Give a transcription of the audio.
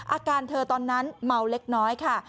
อาการเธอตอนนั้นเมาเล็กน้อยค่ะ